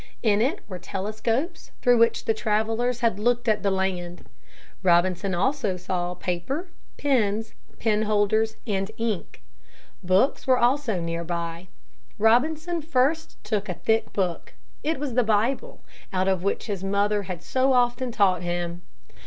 In it were telescopes through which the travelers had looked at the land. Robinson saw also paper, pens, pen holders and ink. Books were also near by. Robinson first took a thick book. It was the Bible, out of which his mother had so often taught him.